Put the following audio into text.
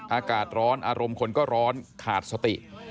อากาศร้อนอารมณ์คนก็ร้อนขาดสติ